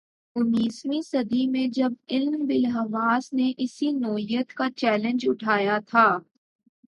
انیسویں صدی میں جب علم بالحواس نے اسی نوعیت کا چیلنج اٹھایا تھا۔